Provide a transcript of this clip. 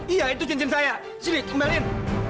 iya itu cincin saya sini kembalin